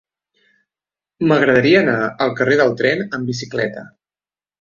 M'agradaria anar al carrer del Tren amb bicicleta.